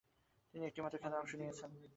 তিনি একটিমাত্র খেলায় অংশ নিয়েছিলেন।